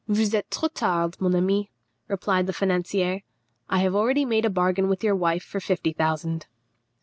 "Vous êtes trop tard, mon ami," replied the financier; "I have already made a bargain with your wife for fifty thousand."